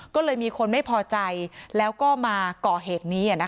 ก็เลยมีคนไม่พอใจแล้วก็มาก่อเหตุนี้